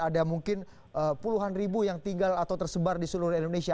ada mungkin puluhan ribu yang tinggal atau tersebar di seluruh indonesia